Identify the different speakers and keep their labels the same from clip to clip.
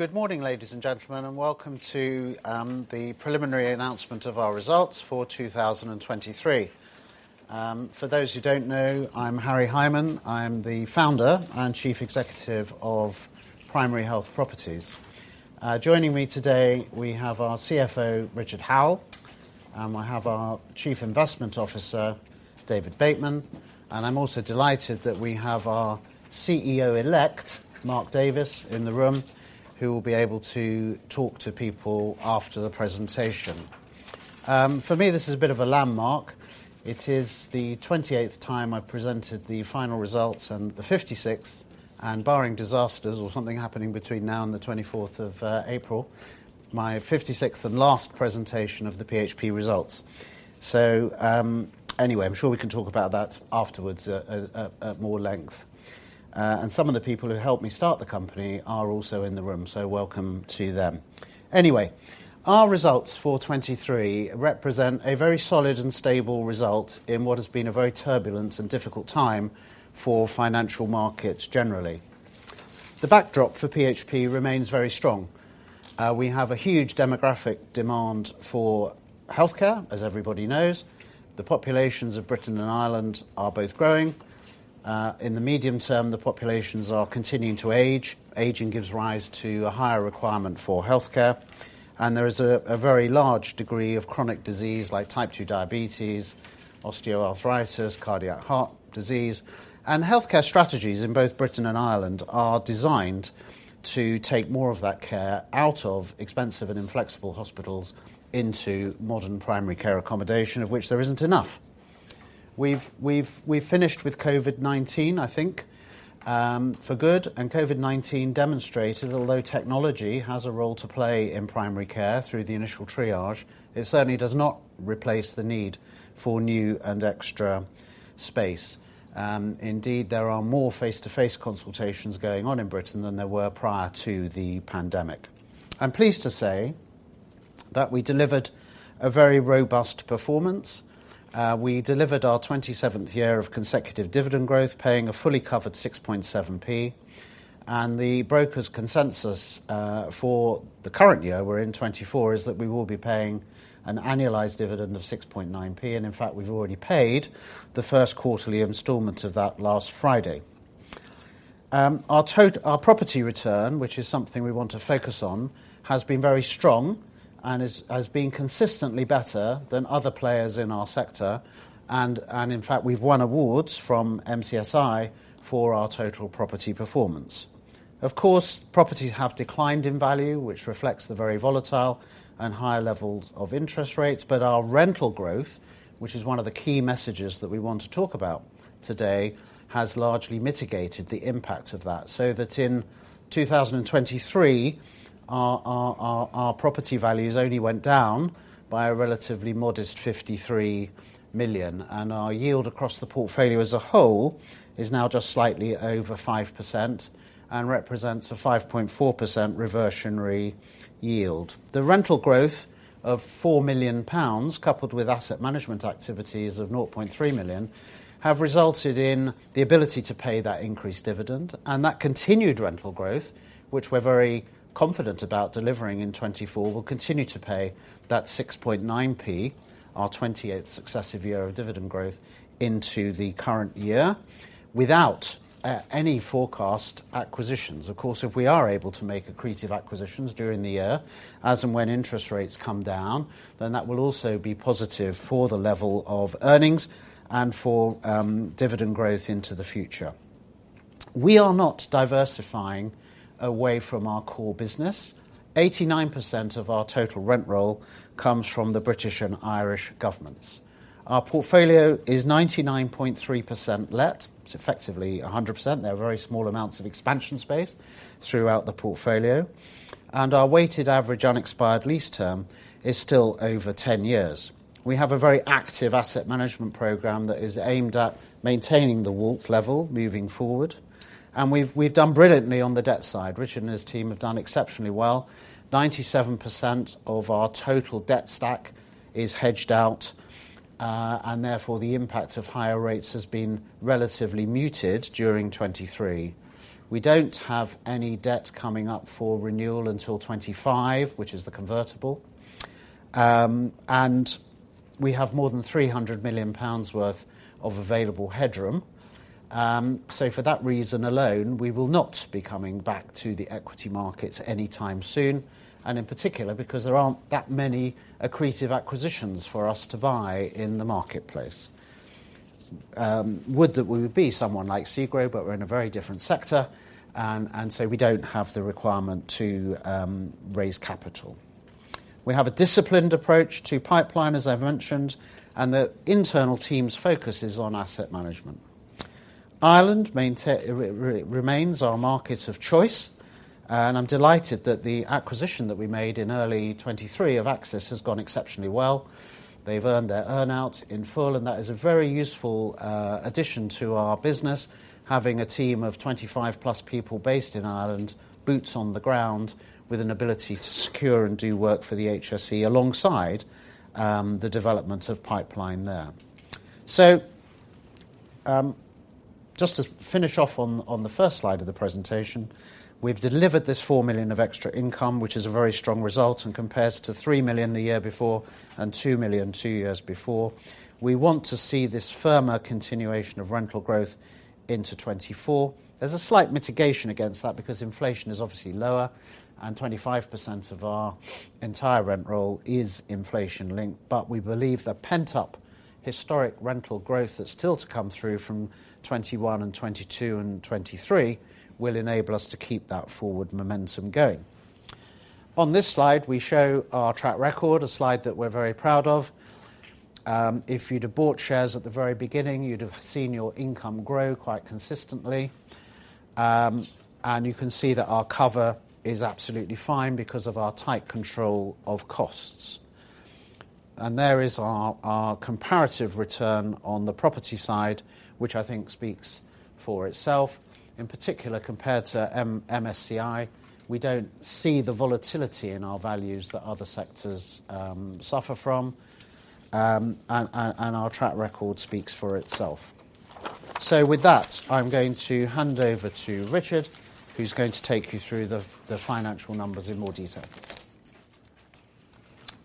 Speaker 1: Good morning, ladies and gentlemen, and welcome to the preliminary announcement of our results for 2023. For those who don't know, I'm Harry Hyman. I'm the founder and Chief Executive of Primary Health Properties. Joining me today, we have our CFO, Richard Howell. I have our Chief Investment Officer, David Bateman, and I'm also delighted that we have our CEO-elect, Mark Davies, in the room, who will be able to talk to people after the presentation. For me, this is a bit of a landmark. It is the 28th time I presented the final results, and the 56th, and barring disasters or something happening between now and the 24th of April, my 56th and last presentation of the PHP results. Anyway, I'm sure we can talk about that afterwards at more length. And some of the people who helped me start the company are also in the room, so welcome to them. Anyway, our results for 2023 represent a very solid and stable result in what has been a very turbulent and difficult time for financial markets generally. The backdrop for PHP remains very strong. We have a huge demographic demand for healthcare, as everybody knows. The populations of Britain and Ireland are both growing. In the medium term, the populations are continuing to age. Aging gives rise to a higher requirement for healthcare, and there is a very large degree of chronic disease like type two diabetes, osteoarthritis, cardiac heart disease. Healthcare strategies in both Britain and Ireland are designed to take more of that care out of expensive and inflexible hospitals into modern primary care accommodation, of which there isn't enough. We've finished with COVID-19, I think, for good, and COVID-19 demonstrated, although technology has a role to play in primary care through the initial triage, it certainly does not replace the need for new and extra space. Indeed, there are more face-to-face consultations going on in Britain than there were prior to the pandemic. I'm pleased to say that we delivered a very robust performance. We delivered our 27th year of consecutive dividend growth, paying a fully covered 6.7p. The broker's consensus for the current year, we're in 2024, is that we will be paying an annualized dividend of 6.9p, and in fact, we've already paid the first quarterly installment of that last Friday. Our property return, which is something we want to focus on, has been very strong and has been consistently better than other players in our sector, and in fact, we've won awards from MSCI for our total property performance. Of course, properties have declined in value, which reflects the very volatile and higher levels of interest rates, but our rental growth, which is one of the key messages that we want to talk about today, has largely mitigated the impact of that, so that in 2023, our property values only went down by a relatively modest 53 million, and our yield across the portfolio as a whole is now just slightly over 5% and represents a 5.4% reversionary yield. The rental growth of 4 million pounds, coupled with asset management activities of 0.3 million, have resulted in the ability to pay that increased dividend, and that continued rental growth, which we're very confident about delivering in 2024, will continue to pay that 6.9p, our 28th successive year of dividend growth into the current year without any forecast acquisitions. Of course, if we are able to make accretive acquisitions during the year, as and when interest rates come down, then that will also be positive for the level of earnings and for dividend growth into the future. We are not diversifying away from our core business. 89% of our total rent roll comes from the British and Irish governments. Our portfolio is 99.3% let. It's effectively 100%. There are very small amounts of expansion space throughout the portfolio, and our weighted average unexpired lease term is still over 10 years. We have a very active asset management program that is aimed at maintaining the WAULT level moving forward, and we've done brilliantly on the debt side. Richard and his team have done exceptionally well. 97% of our total debt stack is hedged out, and therefore, the impact of higher rates has been relatively muted during 2023. We don't have any debt coming up for renewal until 2025, which is the convertible. And we have more than 300 million pounds worth of available headroom. So for that reason alone, we will not be coming back to the equity markets anytime soon, and in particular, because there aren't that many accretive acquisitions for us to buy in the marketplace. Would that we would be someone like SEGRO, but we're in a very different sector, and so we don't have the requirement to raise capital. We have a disciplined approach to pipeline, as I mentioned, and the internal team's focus is on asset management. Ireland remains our market of choice, and I'm delighted that the acquisition that we made in early 2023 of Axis has gone exceptionally well. They've earned their earn-out in full, and that is a very useful addition to our business, having a team of 25+ people based in Ireland, boots on the ground, with an ability to secure and do work for the HSE alongside the development of pipeline there. So... Just to finish off on the first slide of the presentation, we've delivered this 4 million of extra income, which is a very strong result and compares to 3 million the year before and 2 million two years before. We want to see this firmer continuation of rental growth into 2024. There's a slight mitigation against that because inflation is obviously lower, and 25% of our entire rent roll is inflation-linked. But we believe the pent-up historic rental growth that's still to come through from 2021 and 2022 and 2023 will enable us to keep that forward momentum going. On this slide, we show our track record, a slide that we're very proud of. If you'd have bought shares at the very beginning, you'd have seen your income grow quite consistently. And you can see that our cover is absolutely fine because of our tight control of costs. And there is our comparative return on the property side, which I think speaks for itself. In particular, compared to MSCI, we don't see the volatility in our values that other sectors suffer from. And our track record speaks for itself. So with that, I'm going to hand over to Richard, who's going to take you through the financial numbers in more detail.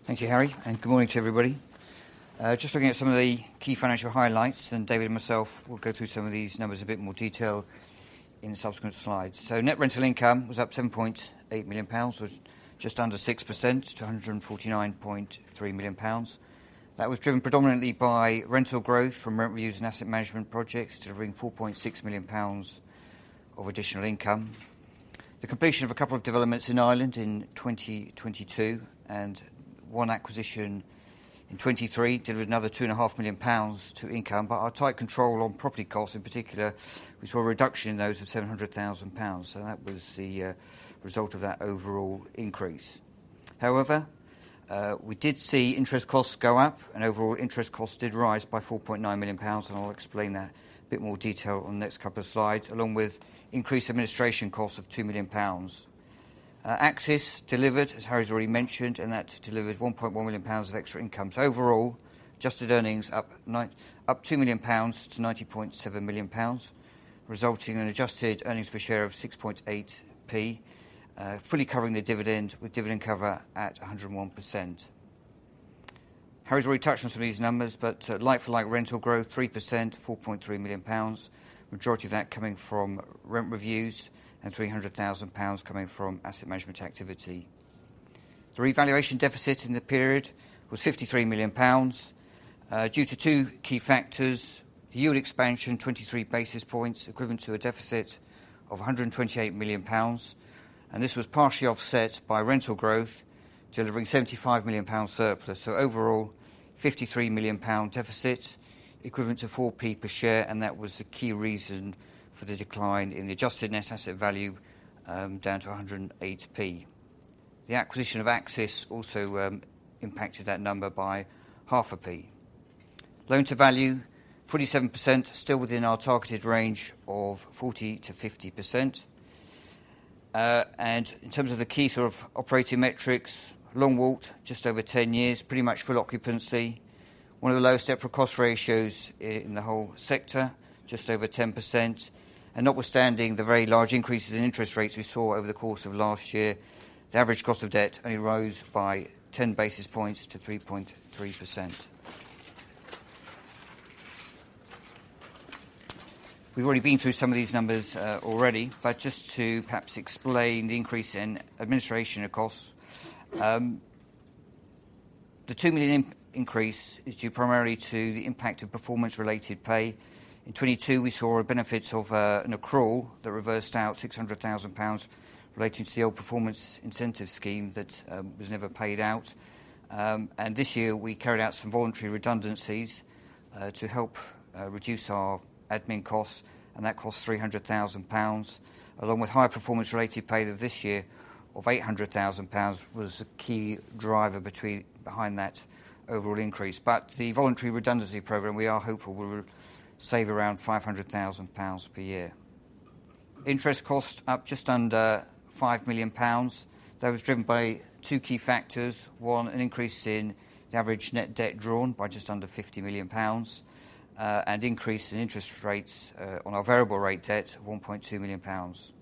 Speaker 2: Thank you, Harry, and good morning to everybody. Just looking at some of the key financial highlights, and David and myself will go through some of these numbers in a bit more detail in subsequent slides. So net rental income was up 7.8 million pounds, which just under 6% to 149.3 million pounds. That was driven predominantly by rental growth from rent reviews and asset management projects, delivering 4.6 million pounds of additional income. The completion of a couple of developments in Ireland in 2022, and one acquisition in 2023, delivered another 2.5 million pounds to income. But our tight control on property costs, in particular, we saw a reduction in those of 700 thousand pounds, so that was the result of that overall increase. However, we did see interest costs go up, and overall interest costs did rise by 4.9 million pounds, and I'll explain that in a bit more detail on the next couple of slides, along with increased administration costs of 2 million pounds. Axis delivered, as Harry's already mentioned, and that delivered 1.1 million pounds of extra income. So overall, adjusted earnings up 2 million pounds to 90.7 million pounds, resulting in adjusted earnings per share of 6.8p, fully covering the dividend, with dividend cover at 101%. Harry's already touched on some of these numbers, but, like-for-like rental growth, 3%, 4.3 million pounds, majority of that coming from rent reviews and 300 thousand pounds coming from asset management activity. The revaluation deficit in the period was 53 million pounds, due to two key factors: the yield expansion, 23 basis points, equivalent to a deficit of 128 million pounds, and this was partially offset by rental growth, delivering 75 million pounds surplus. So overall, 53 million pound deficit, equivalent to 4p per share, and that was the key reason for the decline in the adjusted net asset value, down to 108p. The acquisition of Axis also impacted that number by 0.5p. Loan-to-value, 47%, still within our targeted range of 40%-50%. And in terms of the key sort of operating metrics, WAULT, just over 10 years, pretty much full occupancy. One of the lowest separate cost ratios in the whole sector, just over 10%. Notwithstanding the very large increases in interest rates we saw over the course of last year, the average cost of debt only rose by 10 basis points to 3.3%. We've already been through some of these numbers already, but just to perhaps explain the increase in administration costs. The 2 million increase is due primarily to the impact of performance-related pay. In 2022, we saw a benefit of an accrual that reversed out 600,000 pounds related to the old performance incentive scheme that was never paid out. And this year, we carried out some voluntary redundancies to help reduce our admin costs, and that cost 300,000 pounds, along with high-performance related pay this year of 800,000 pounds, was a key driver behind that overall increase. But the voluntary redundancy program, we are hopeful, will save around 500 thousand pounds per year. Interest costs up just under 5 million pounds. That was driven by two key factors: one, an increase in the average net debt drawn by just under 50 million pounds, and increase in interest rates, on our variable rate debt, 1.2 million pounds.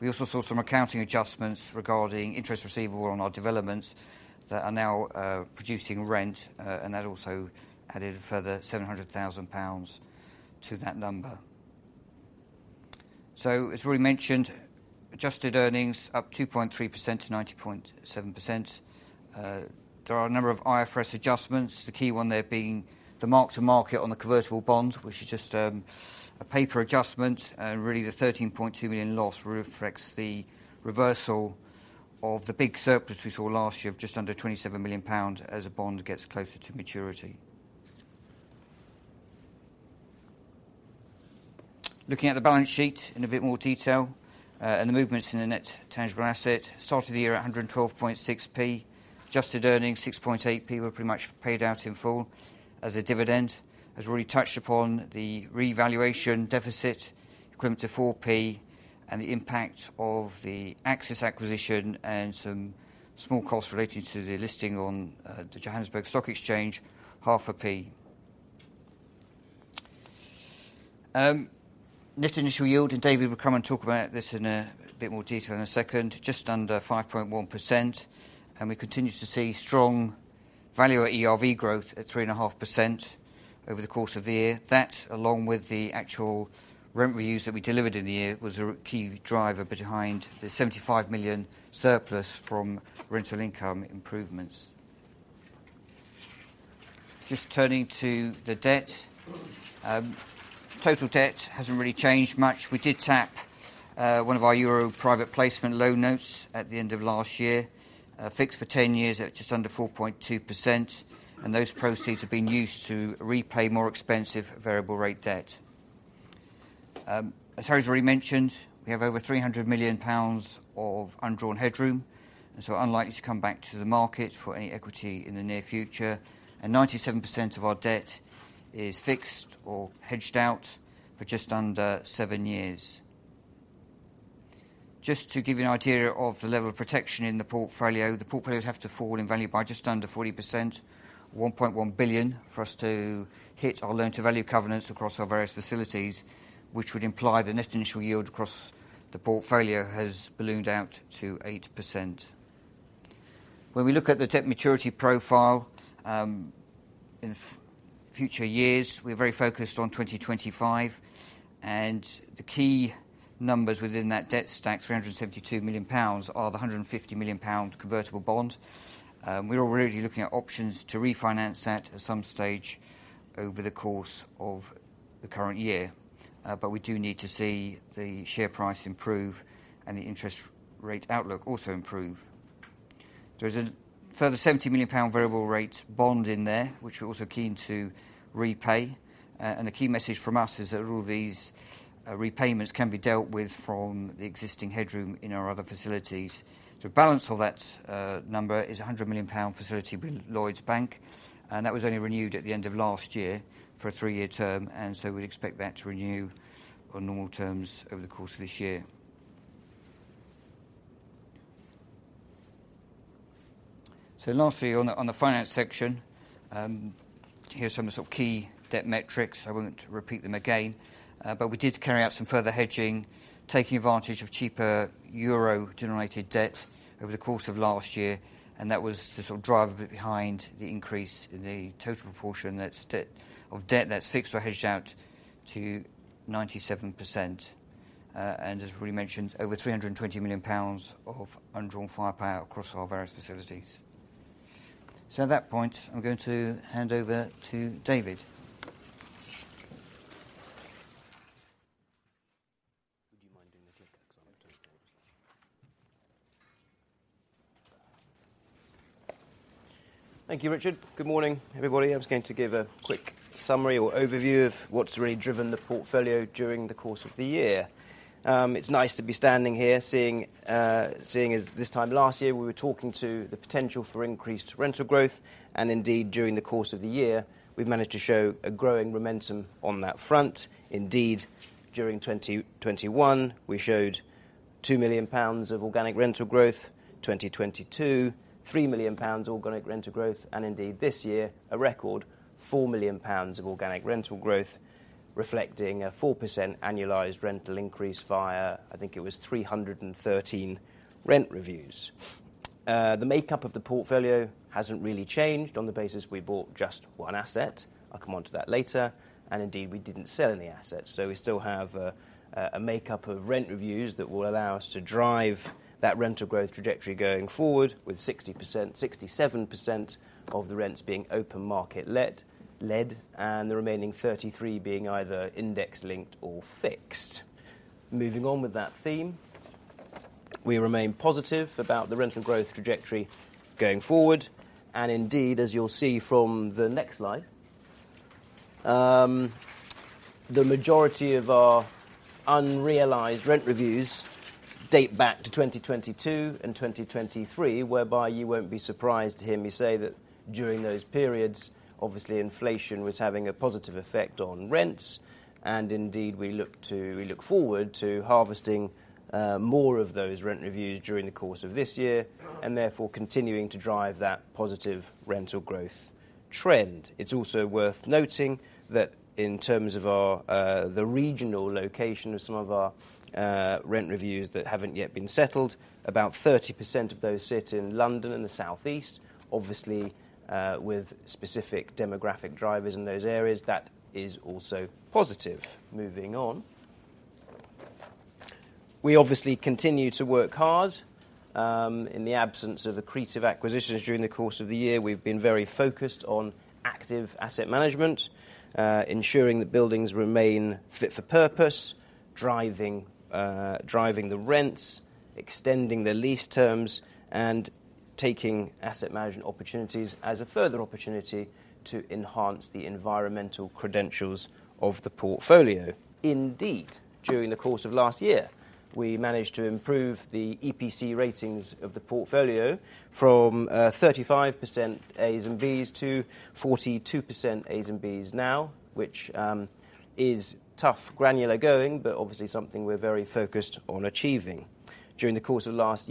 Speaker 2: We also saw some accounting adjustments regarding interest receivable on our developments that are now producing rent, and that also added a further 700 thousand pounds to that number. So as we mentioned, adjusted earnings up 2.3% to 90.7%. There are a number of IFRS adjustments, the key one there being the mark-to-market on the convertible bonds, which is just, a paper adjustment. Really, the 13.2 million loss reflects the reversal of the big surplus we saw last year of just under 27 million pounds as the bond gets closer to maturity. Looking at the balance sheet in a bit more detail, and the movements in the net tangible asset. Start of the year, 112.6p. Adjusted earnings, 6.8p, were pretty much paid out in full as a dividend. As we already touched upon, the revaluation deficit equivalent to 4p, and the impact of the Axis acquisition and some small costs related to the listing on the Johannesburg Stock Exchange, 0.5p. Net initial yield, and David will come and talk about this in a bit more detail in a second, just under 5.1%, and we continue to see strong value at ERV growth at 3.5% over the course of the year. That, along with the actual rent reviews that we delivered in the year, was a key driver behind the 75 million surplus from rental income improvements. Just turning to the debt. Total debt hasn't really changed much. We did tap one of our euro private placement loan notes at the end of last year, fixed for 10 years at just under 4.2%, and those proceeds have been used to repay more expensive variable rate debt. As Harry's already mentioned, we have over 300 million pounds of undrawn headroom, and so we're unlikely to come back to the market for any equity in the near future. And 97% of our debt is fixed or hedged out for just under seven years. Just to give you an idea of the level of protection in the portfolio, the portfolio would have to fall in value by just under 40%, 1.1 billion, for us to hit our loan-to-value covenants across our various facilities, which would imply the net initial yield across the portfolio has ballooned out to 8%. When we look at the debt maturity profile, in future years, we're very focused on 2025, and the key numbers within that debt stack, 372 million pounds, are the 150 million pound convertible bond. We're already looking at options to refinance that at some stage over the course of the current year, but we do need to see the share price improve and the interest rate outlook also improve. There's a further GBP 70 million variable rate bond in there, which we're also keen to repay. And the key message from us is that all these repayments can be dealt with from the existing headroom in our other facilities. The balance of that number is a 100 million pound facility with Lloyds Bank, and that was only renewed at the end of last year for a three-year term, and so we'd expect that to renew on normal terms over the course of this year. So lastly, on the finance section, here's some of the sort of key debt metrics. I won't repeat them again. But we did carry out some further hedging, taking advantage of cheaper euro-generated debt over the course of last year, and that was the sort of driver behind the increase in the total proportion that's of debt that's fixed or hedged out to 97%. And as we mentioned, over 320 million pounds of undrawn firepower across our various facilities. So at that point, I'm going to hand over to David.
Speaker 3: Would you mind doing the clicker? Because I'm... Thank you, Richard. Good morning, everybody. I'm just going to give a quick summary or overview of what's really driven the portfolio during the course of the year. It's nice to be standing here, seeing as this time last year we were talking to the potential for increased rental growth, and indeed, during the course of the year, we've managed to show a growing momentum on that front. Indeed, during 2021, we showed 2 million pounds of organic rental growth, 2022, 3 million pounds organic rental growth, and indeed, this year, a record 4 million pounds of organic rental growth, reflecting a 4% annualized rental increase via, I think it was 313 rent reviews. The makeup of the portfolio hasn't really changed on the basis we bought just one asset. I'll come onto that later. Indeed, we didn't sell any assets, so we still have a makeup of rent reviews that will allow us to drive that rental growth trajectory going forward with 67% of the rents being open market-led, and the remaining 33% being either index-linked or fixed. Moving on with that theme, we remain positive about the rental growth trajectory going forward, and indeed, as you'll see from the next slide, the majority of our unrealized rent reviews date back to 2022 and 2023, whereby you won't be surprised to hear me say that during those periods, obviously, inflation was having a positive effect on rents. Indeed, we look forward to harvesting more of those rent reviews during the course of this year and therefore continuing to drive that positive rental growth trend. It's also worth noting that in terms of our, the regional location of some of our rent reviews that haven't yet been settled, about 30% of those sit in London and the South East. Obviously, with specific demographic drivers in those areas, that is also positive. Moving on. We obviously continue to work hard. In the absence of accretive acquisitions during the course of the year, we've been very focused on active asset management, ensuring the buildings remain fit for purpose, driving the rents, extending the lease terms, and taking asset management opportunities as a further opportunity to enhance the environmental credentials of the portfolio. Indeed, during the course of last year, we managed to improve the EPC ratings of the portfolio from 35% A's and B's to 42% A's and B's now, which is tough, granular going, but obviously something we're very focused on achieving. During the course of last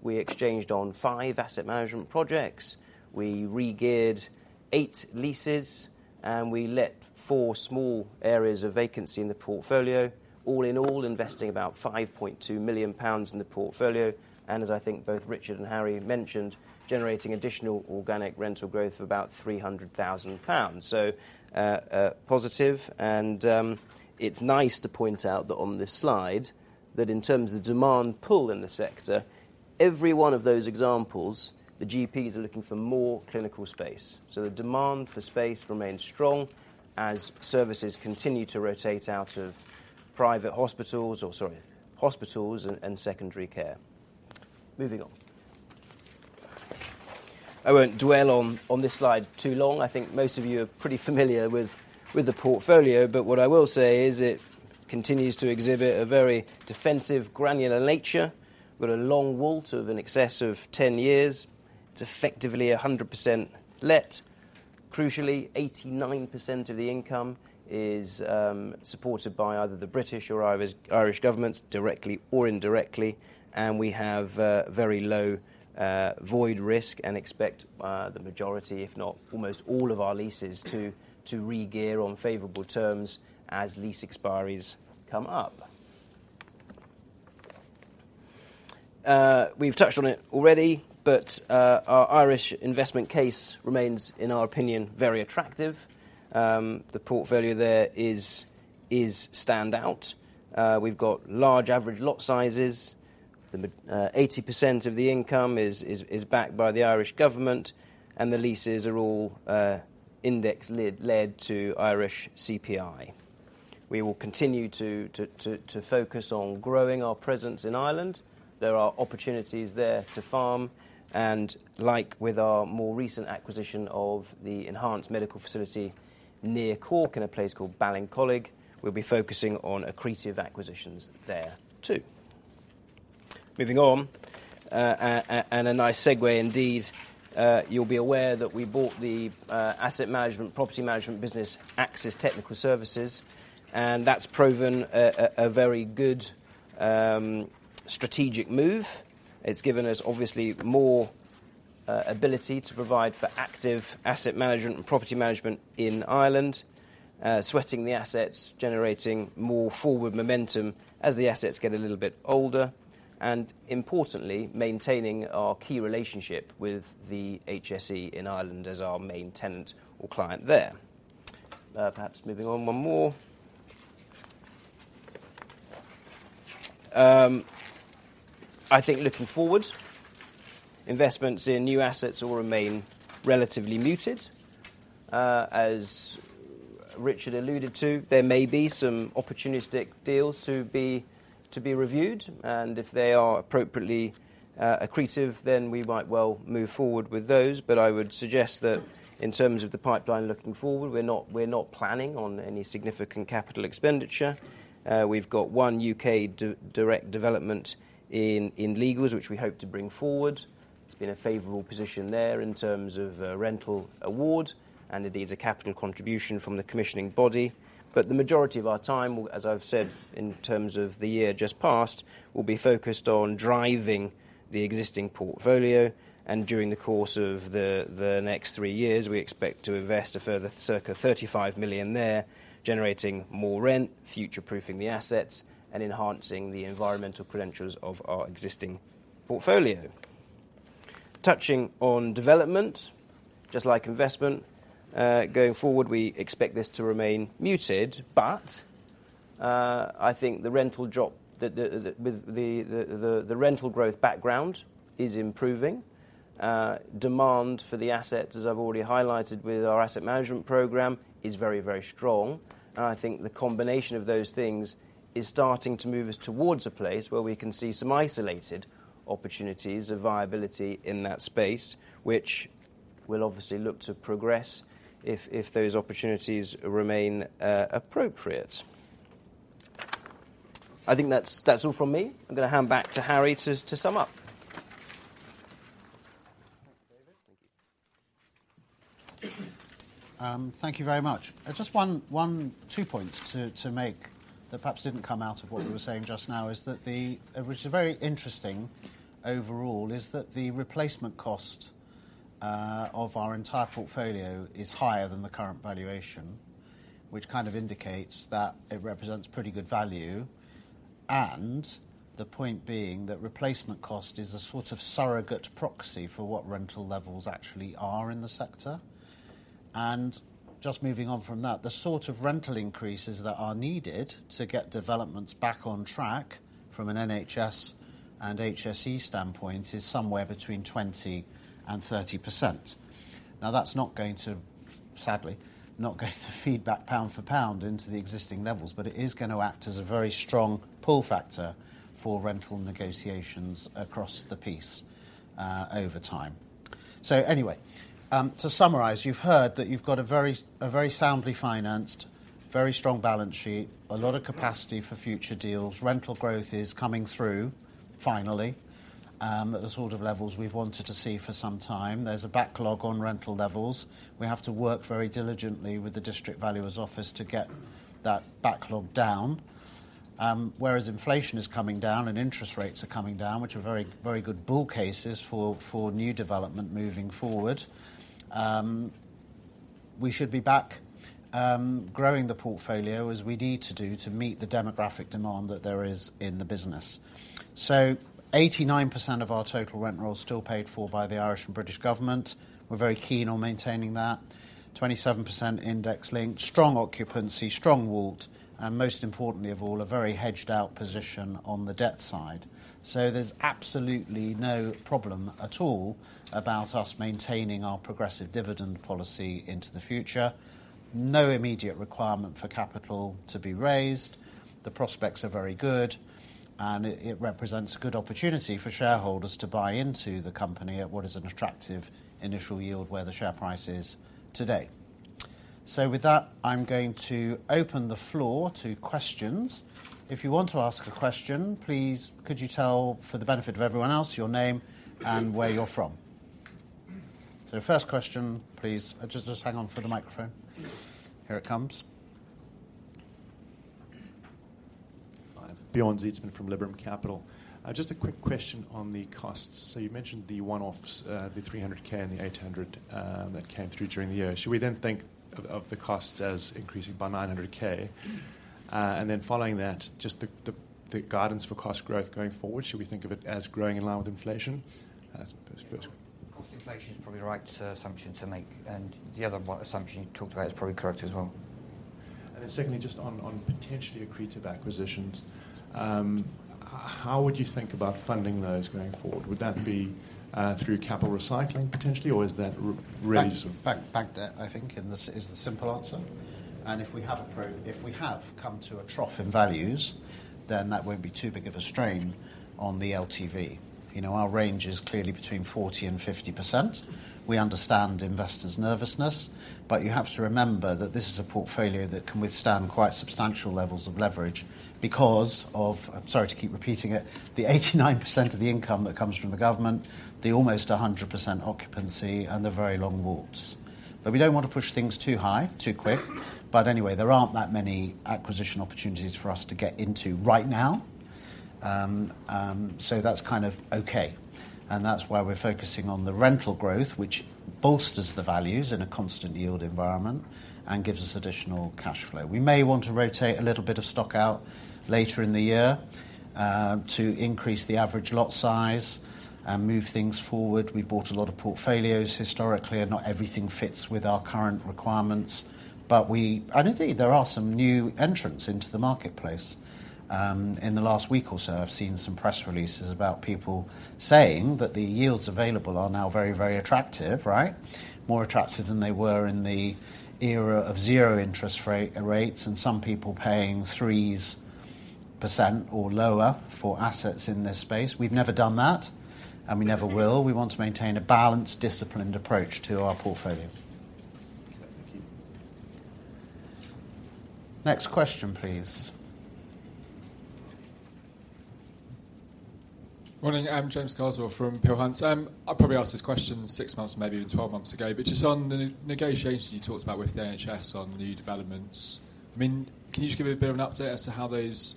Speaker 3: year, we exchanged on five asset management projects, we regeared eight leases, and we let four small areas of vacancy in the portfolio, all in all, investing about 5.2 million pounds in the portfolio, and as I think both Richard and Harry mentioned, generating additional organic rental growth of about 300,000 pounds. So, positive and, it's nice to point out that on this slide, that in terms of demand pull in the sector, every one of those examples, the GPs are looking for more clinical space. So the demand for space remains strong as services continue to rotate out of private hospitals, or sorry, hospitals and secondary care. Moving on. I won't dwell on this slide too long. I think most of you are pretty familiar with the portfolio, but what I will say is it continues to exhibit a very defensive, granular nature, with a long WAULT of in excess of 10 years. It's effectively 100% let. Crucially, 89% of the income is supported by either the British or Irish governments, directly or indirectly, and we have very low void risk and expect the majority, if not almost all of our leases, to regear on favorable terms as lease expiries come up. We've touched on it already, but our Irish investment case remains, in our opinion, very attractive. The portfolio there is standout. We've got large average lot sizes. The mid-80% of the income is backed by the Irish government, and the leases are all index-linked to Irish CPI. We will continue to focus on growing our presence in Ireland. There are opportunities there to farm, and like with our more recent acquisition of the enhanced medical facility near Cork, in a place called Ballincollig, we'll be focusing on accretive acquisitions there, too. Moving on. And a nice segue indeed, you'll be aware that we bought the asset management, property management business, Axis Technical Services, and that's proven a very good strategic move. It's given us, obviously, more ability to provide for active asset management and property management in Ireland. Sweating the assets, generating more forward momentum as the assets get a little bit older, and importantly, maintaining our key relationship with the HSE in Ireland as our main tenant or client there. Perhaps moving on one more. I think looking forward, investments in new assets will remain relatively muted. As Richard alluded to, there may be some opportunistic deals to be reviewed, and if they are appropriately accretive, then we might well move forward with those. But I would suggest that in terms of the pipeline looking forward, we're not planning on any significant capital expenditure. We've got one U.K. direct development in legals, which we hope to bring forward. It's been a favorable position there in terms of rental award, and indeed, a capital contribution from the commissioning body. But the majority of our time, as I've said, in terms of the year just past, will be focused on driving the existing portfolio, and during the course of the next three years, we expect to invest a further circa 35 million there, generating more rent, future-proofing the assets, and enhancing the environmental credentials of our existing portfolio. Touching on development, just like investment, going forward, we expect this to remain muted, but I think the rental growth background is improving. Demand for the asset, as I've already highlighted with our asset management program, is very, very strong, and I think the combination of those things is starting to move us towards a place where we can see some isolated opportunities of viability in that space, which we'll obviously look to progress if, if those opportunities remain appropriate. I think that's, that's all from me. I'm gonna hand back to Harry to, to sum up.
Speaker 1: Thank you, David. Thank you. Thank you very much. Just two points to make that perhaps didn't come out of what you were saying just now, is that the, which is very interesting overall, is that the replacement cost of our entire portfolio is higher than the current valuation, which kind of indicates that it represents pretty good value. The point being that replacement cost is a sort of surrogate proxy for what rental levels actually are in the sector. Just moving on from that, the sort of rental increases that are needed to get developments back on track from an NHS and HSE standpoint is somewhere between 20%-30%. Now, that's not going to, sadly, feed back pound-for-pound into the existing levels, but it is gonna act as a very strong pull factor for rental negotiations across the piece over time. So anyway, to summarize, you've heard that you've got a very soundly financed, very strong balance sheet, a lot of capacity for future deals. Rental growth is coming through, finally... at the sort of levels we've wanted to see for some time. There's a backlog on rental levels. We have to work very diligently with the District Valuer's office to get that backlog down. Whereas inflation is coming down and interest rates are coming down, which are very, very good bull cases for new development moving forward. We should be back growing the portfolio as we need to do to meet the demographic demand that there is in the business. So 89% of our total rent roll is still paid for by the Irish and British government. We're very keen on maintaining that. 27% index linked, strong occupancy, strong WAULT, and most importantly of all, a very hedged out position on the debt side. So there's absolutely no problem at all about us maintaining our progressive dividend policy into the future. No immediate requirement for capital to be raised. The prospects are very good, and it represents a good opportunity for shareholders to buy into the company at what is an attractive initial yield, where the share price is today. So with that, I'm going to open the floor to questions. If you want to ask a question, please, could you tell, for the benefit of everyone else, your name and where you're from? So first question, please. Just hang on for the microphone. Here it comes.
Speaker 4: Hi, Bjorn Zietsman from Liberum Capital. Just a quick question on the costs. So you mentioned the one-offs, the 300,000 and the 800,000 that came through during the year. Should we then think of the costs as increasing by 900,000? And then following that, just the guidance for cost growth going forward, should we think of it as growing in line with inflation? As per-
Speaker 1: Cost inflation is probably the right assumption to make, and the other assumption you talked about is probably correct as well.
Speaker 4: And then secondly, just on potentially accretive acquisitions, how would you think about funding those going forward? Would that be through capital recycling, potentially, or is that re-
Speaker 1: Bank, bank debt, I think, in this is the simple answer. If we have come to a trough in values, then that won't be too big of a strain on the LTV. You know, our range is clearly between 40%-50%. We understand investors' nervousness, but you have to remember that this is a portfolio that can withstand quite substantial levels of leverage because of, I'm sorry to keep repeating it, the 89% of the income that comes from the government, the almost 100% occupancy, and the very long WAULTs. But we don't want to push things too high, too quick. But anyway, there aren't that many acquisition opportunities for us to get into right now. So that's kind of okay, and that's why we're focusing on the rental growth, which bolsters the values in a constant yield environment and gives us additional cash flow. We may want to rotate a little bit of stock out later in the year to increase the average lot size and move things forward. We bought a lot of portfolios historically, and not everything fits with our current requirements, but, and indeed, there are some new entrants into the marketplace. In the last week or so, I've seen some press releases about people saying that the yields available are now very, very attractive, right? More attractive than they were in the era of zero interest rates, and some people paying 3% or lower for assets in this space. We've never done that, and we never will. We want to maintain a balanced, disciplined approach to our portfolio.
Speaker 4: Thank you.
Speaker 1: Next question, please.
Speaker 5: Morning, I'm James Carswell from Peel Hunt. I probably asked this question 6 months, maybe even 12 months ago, but just on the negotiations you talked about with the NHS on new developments, I mean, can you just give me a bit of an update as to how those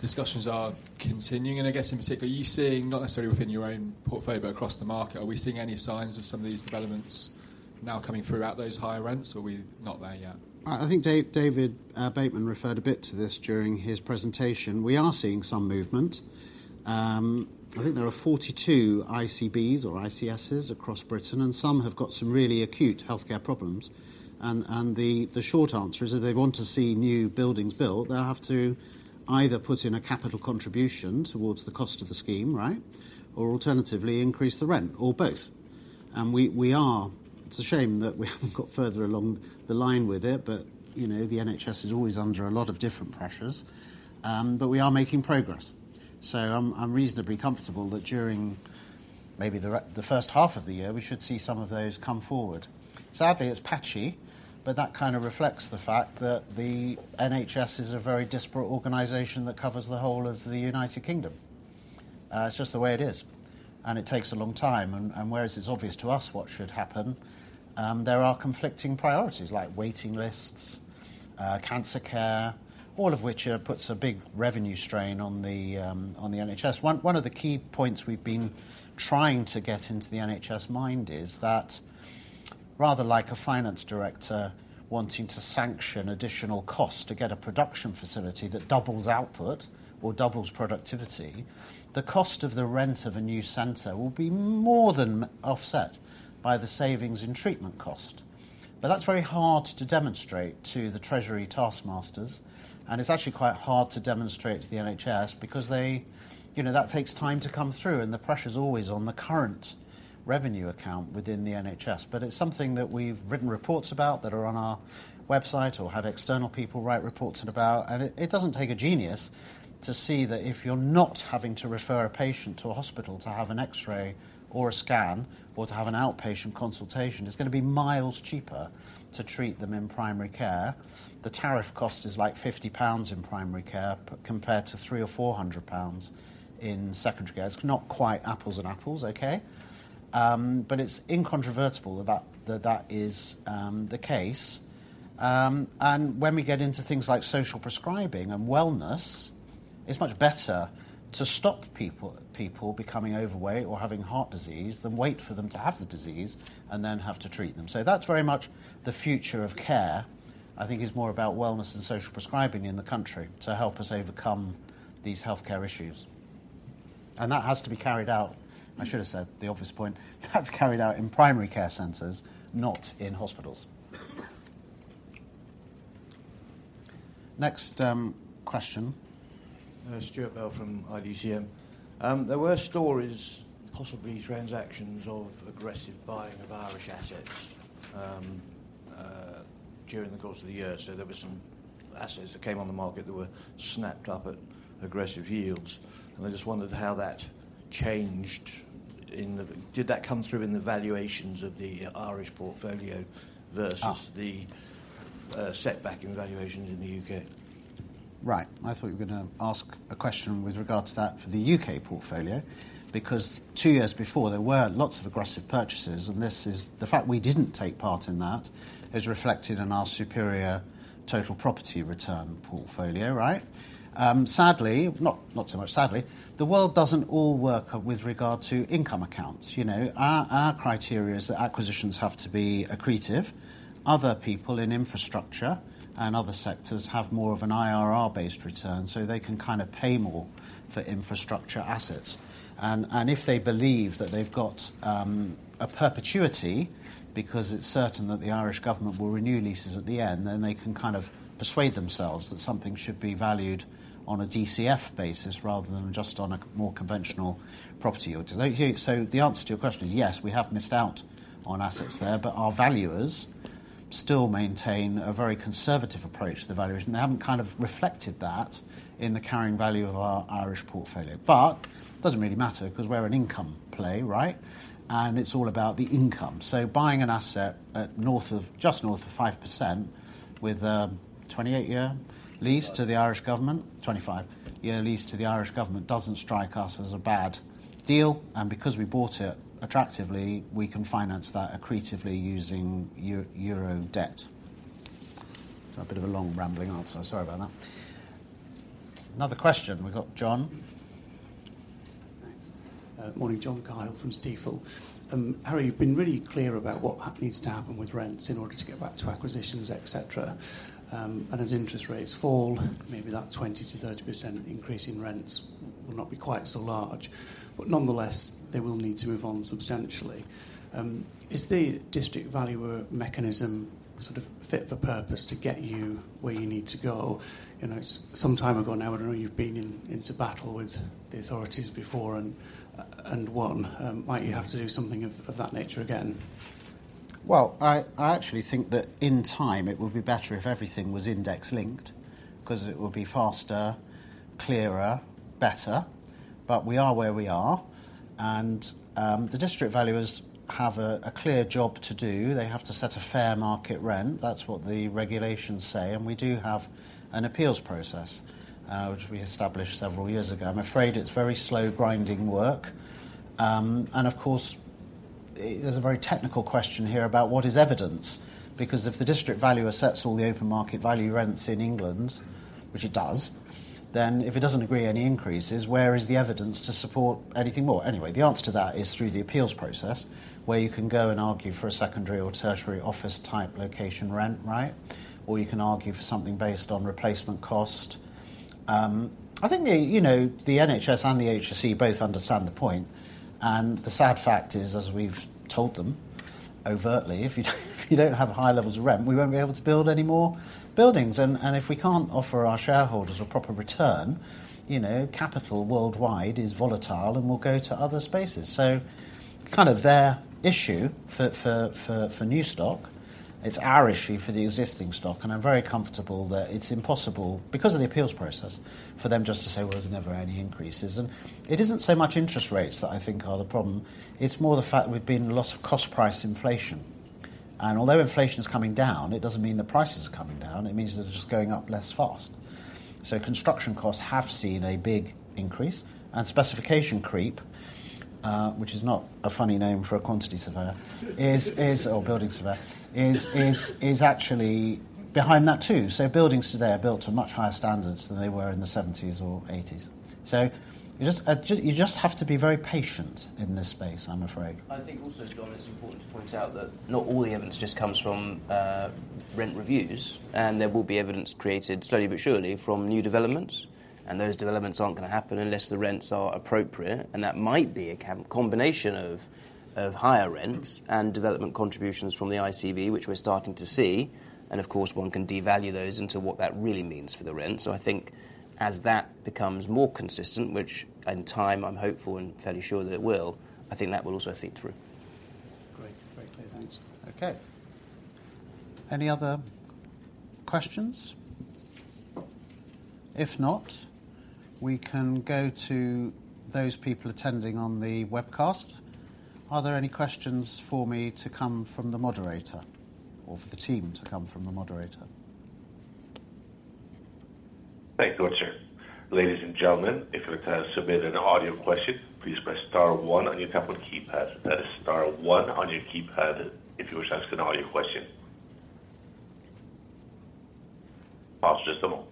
Speaker 5: discussions are continuing? And I guess, in particular, are you seeing, not necessarily within your own portfolio, but across the market, are we seeing any signs of some of these developments now coming through at those higher rents, or are we not there yet?
Speaker 1: I think David Bateman referred a bit to this during his presentation. We are seeing some movement. I think there are 42 ICBs or ICSs across Britain, and some have got some really acute healthcare problems. The short answer is, if they want to see new buildings built, they'll have to either put in a capital contribution towards the cost of the scheme, right? Or alternatively, increase the rent or both. We are... It's a shame that we haven't got further along the line with it, but, you know, the NHS is always under a lot of different pressures, but we are making progress. I'm reasonably comfortable that during maybe the first half of the year, we should see some of those come forward. Sadly, it's patchy, but that kind of reflects the fact that the NHS is a very disparate organization that covers the whole of the United Kingdom. It's just the way it is, and it takes a long time. Whereas it's obvious to us what should happen, there are conflicting priorities, like waiting lists, cancer care, all of which puts a big revenue strain on the NHS. One of the key points we've been trying to get into the NHS mind is that rather like a finance director wanting to sanction additional cost to get a production facility that doubles output or doubles productivity, the cost of the rent of a new center will be more than offset by the savings in treatment cost. But that's very hard to demonstrate to the treasury taskmasters, and it's actually quite hard to demonstrate to the NHS because they, you know, that takes time to come through, and the pressure is always on the current revenue account within the NHS. But it's something that we've written reports about, that are on our website or had external people write reports about. And it doesn't take a genius to see that if you're not having to refer a patient to a hospital to have an X-ray or a scan or to have an outpatient consultation, it's gonna be miles cheaper to treat them in primary care. The tariff cost is like 50 pounds in primary care, compared to 300 or 400 pounds in secondary care. It's not quite apples and apples, okay? But it's incontrovertible that that that is the case. And when we get into things like social prescribing and wellness-... It's much better to stop people, people becoming overweight or having heart disease, than wait for them to have the disease and then have to treat them. So that's very much the future of care, I think, is more about wellness and social prescribing in the country to help us overcome these healthcare issues. And that has to be carried out, I should have said, the obvious point, that's carried out in primary care centers, not in hospitals. Next question.
Speaker 6: Stuart Bell from IDCM. There were stories, possibly transactions of aggressive buying of Irish assets, during the course of the year. So there were some assets that came on the market that were snapped up at aggressive yields, and I just wondered how that changed in the-- Did that come through in the valuations of the Irish portfolio versus-
Speaker 1: Ah.
Speaker 6: the setback in valuations in the U.K.?
Speaker 1: Right. I thought you were gonna ask a question with regards to that for the UK portfolio, because two years before, there were lots of aggressive purchases, and this is, the fact we didn't take part in that is reflected in our superior total property return portfolio, right? Sadly, not so much sadly, the world doesn't all work with regard to income accounts. You know, our criteria is that acquisitions have to be accretive. Other people in infrastructure and other sectors have more of an IRR-based return, so they can kind of pay more for infrastructure assets. And if they believe that they've got a perpetuity because it's certain that the Irish government will renew leases at the end, then they can kind of persuade themselves that something should be valued on a DCF basis rather than just on a more conventional property yield. So the answer to your question is, yes, we have missed out on assets there, but our valuers still maintain a very conservative approach to the valuation. They haven't kind of reflected that in the carrying value of our Irish portfolio. But it doesn't really matter 'cause we're an income play, right? And it's all about the income. So buying an asset at north of, just north of 5% with a 28-year lease to the Irish government-
Speaker 6: 25.
Speaker 1: 25-year lease to the Irish government doesn't strike us as a bad deal, and because we bought it attractively, we can finance that accretively using euro debt. So a bit of a long, rambling answer. Sorry about that. Another question. We've got John.
Speaker 7: Thanks. Morning, John Cahill from Stifel. Harry, you've been really clear about what needs to happen with rents in order to get back to acquisitions, et cetera. And as interest rates fall, maybe that 20%-30% increase in rents will not be quite so large, but nonetheless, they will need to move on substantially. Is the District Valuer mechanism sort of fit for purpose to get you where you need to go? You know, some time ago now, I know you've been into battle with the authorities before and won. Might you have to do something of that nature again?
Speaker 1: Well, I actually think that in time it would be better if everything was index-linked, 'cause it would be faster, clearer, better. But we are where we are, and the District Valuers have a clear job to do. They have to set a fair market rent. That's what the regulations say, and we do have an appeals process, which we established several years ago. I'm afraid it's very slow, grinding work. And of course, there's a very technical question here about what is evidence? Because if the District Valuer sets all the open market value rents in England, which it does, then if it doesn't agree any increases, where is the evidence to support anything more? Anyway, the answer to that is through the appeals process, where you can go and argue for a secondary or tertiary office type location rent, right? Or you can argue for something based on replacement cost. I think the, you know, the NHS and the HSE both understand the point, and the sad fact is, as we've told them overtly, if you don't have high levels of rent, we won't be able to build any more buildings. And if we can't offer our shareholders a proper return, you know, capital worldwide is volatile and will go to other spaces. So kind of their issue for new stock, it's our issue for the existing stock, and I'm very comfortable that it's impossible because of the appeals process, for them just to say, "Well, there's never any increases." And it isn't so much interest rates that I think are the problem, it's more the fact that we've been in a lot of cost price inflation. And although inflation is coming down, it doesn't mean the prices are coming down, it means they're just going up less fast. So construction costs have seen a big increase, and specification creep, which is not a funny name for a quantity surveyor or building surveyor, is actually behind that, too. So buildings today are built to much higher standards than they were in the 70's or 80's. So you just have to be very patient in this space, I'm afraid.
Speaker 3: I think also, John, it's important to point out that not all the evidence just comes from rent reviews, and there will be evidence created slowly but surely from new developments, and those developments aren't gonna happen unless the rents are appropriate. And that might be a combination of higher rents and development contributions from the ICB, which we're starting to see. And of course, one can devalue those into what that really means for the rent. So I think as that becomes more consistent, which in time I'm hopeful and fairly sure that it will, I think that will also feed through.
Speaker 7: Great. Very clear, thanks.
Speaker 1: Okay. Any other questions? If not, we can go to those people attending on the webcast. Are there any questions for me to come from the moderator or for the team to come from the moderator?
Speaker 8: Thank you, sir. Ladies and gentlemen, if you'd like to submit an audio question, please press star one on your keypad. That is star one on your keypad if you wish to ask an audio question.... Pause just a moment.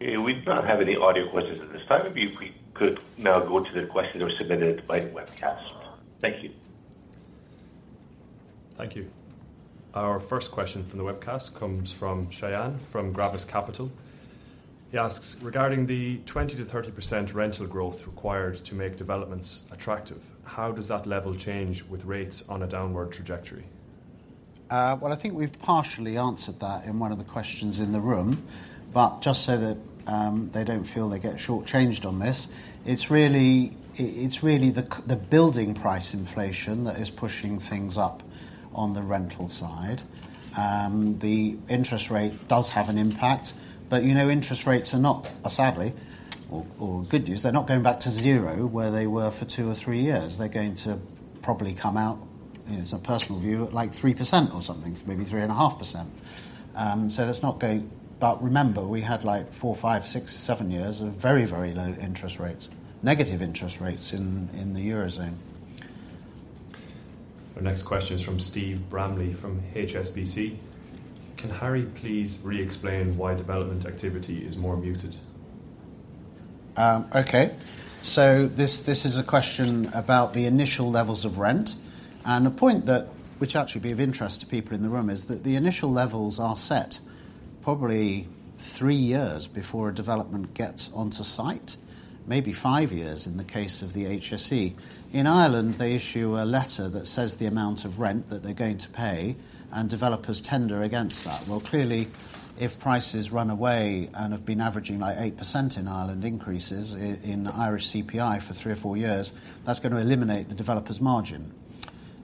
Speaker 8: Okay, we do not have any audio questions at this time. Maybe if we could now go to the questions that were submitted by the webcast. Thank you. Thank you. Our first question from the webcast comes from Shayan, from Gravis Capital. He asks, "Regarding the 20%-30% rental growth required to make developments attractive, how does that level change with rates on a downward trajectory?
Speaker 1: Well, I think we've partially answered that in one of the questions in the room, but just so that they don't feel they get shortchanged on this, it's really the building price inflation that is pushing things up on the rental side. The interest rate does have an impact, but, you know, interest rates are not, sadly or good news, they're not going back to 0, where they were for two or three years. They're going to probably come out, it's a personal view, at, like, 3% or something, maybe 3.5%. So that's not going... But remember, we had, like, four, five, six, seven years of very, very low interest rates, negative interest rates in the Eurozone.
Speaker 8: Our next question is from Steve Bramley, from HSBC: "Can Harry please re-explain why development activity is more muted?
Speaker 1: Okay. So this is a question about the initial levels of rent, and a point that, which actually be of interest to people in the room, is that the initial levels are set probably three years before a development gets onto site, maybe five years in the case of the HSE. In Ireland, they issue a letter that says the amount of rent that they're going to pay, and developers tender against that. Well, clearly, if prices run away and have been averaging, like, 8% in Ireland, increases in Irish CPI for three or four years, that's gonna eliminate the developer's margin.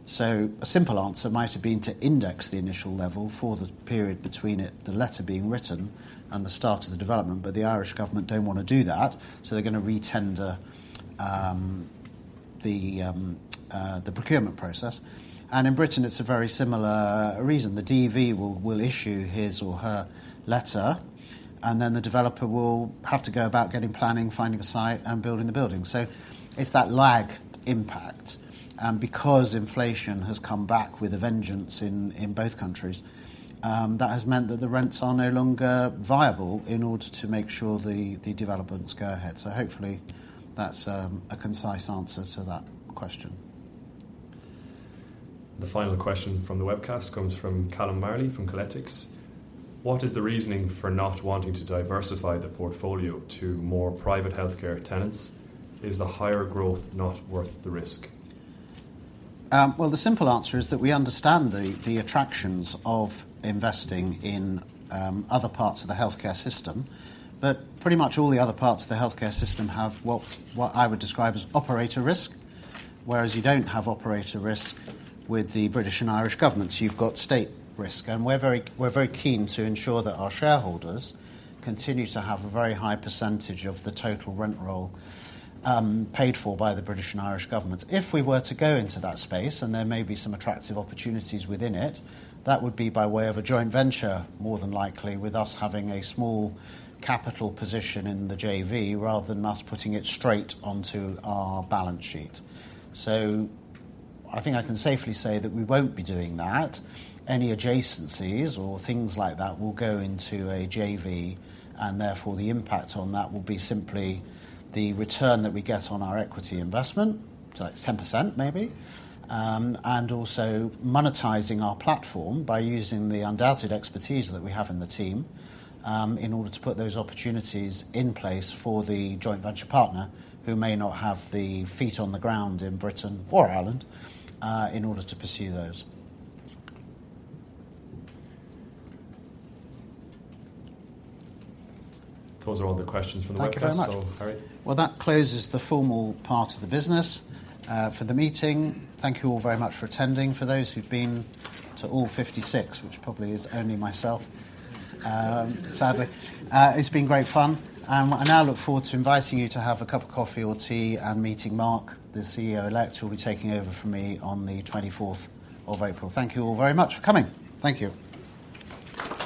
Speaker 1: So a simple answer might have been to index the initial level for the period between it, the letter being written and the start of the development, but the Irish government don't wanna do that, so they're gonna re-tender the procurement process. And in Britain, it's a very similar reason. The DV will issue his or her letter, and then the developer will have to go about getting planning, finding a site, and building the building. So it's that lag impact, because inflation has come back with a vengeance in both countries, that has meant that the rents are no longer viable in order to make sure the developments go ahead. So hopefully, that's a concise answer to that question.
Speaker 8: The final question from the webcast comes from Callum Marley, from Colettix: "What is the reasoning for not wanting to diversify the portfolio to more private healthcare tenants? Is the higher growth not worth the risk?
Speaker 1: Well, the simple answer is that we understand the attractions of investing in other parts of the healthcare system. But pretty much all the other parts of the healthcare system have what I would describe as operator risk, whereas you don't have operator risk with the British and Irish governments. You've got state risk, and we're very keen to ensure that our shareholders continue to have a very high percentage of the total rent roll paid for by the British and Irish governments. If we were to go into that space, and there may be some attractive opportunities within it, that would be by way of a joint venture, more than likely, with us having a small capital position in the JV, rather than us putting it straight onto our balance sheet. So I think I can safely say that we won't be doing that. Any adjacencies or things like that will go into a JV, and therefore, the impact on that will be simply the return that we get on our equity investment, so it's 10% maybe. And also monetizing our platform by using the undoubted expertise that we have in the team, in order to put those opportunities in place for the joint venture partner, who may not have the feet on the ground in Britain or Ireland, in order to pursue those.
Speaker 8: Those are all the questions from the webcast.
Speaker 1: Thank you very much.
Speaker 8: So, Harry.
Speaker 1: Well, that closes the formal part of the business for the meeting. Thank you all very much for attending. For those who've been to all 56, which probably is only myself, sadly, it's been great fun. I now look forward to inviting you to have a cup of coffee or tea and meeting Mark, the CEO-elect, who will be taking over from me on the 24th of April. Thank you all very much for coming. Thank you.